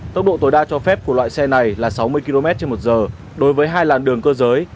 tốc độ tối đa cho phép của loại xe này là sáu mươi km trên một giờ đối với hai làn đường cơ giới